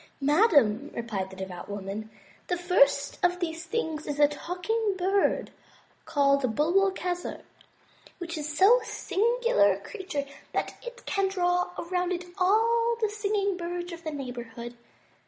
*' "Madame," replied the devout woman, "the first of these three things is the Talking Bird called Bul bul ke'zer, which is so singular a creature that it can draw around it all the singing birds of the neighborhood.